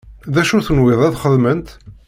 D acu tenwiḍ ad xedment?